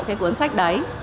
cái cuốn sách đấy